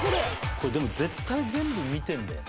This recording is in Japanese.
「これでも絶対全部見てるんだよね」